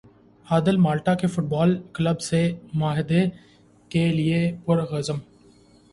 عادل Malta کے football club سے معاہدے کے لیے پرعزم